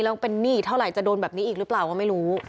แล้วเป็นหนี้อีกเท่าไหร่จะโดนแบบนี้อีกหรือเปล่าก็ไม่รู้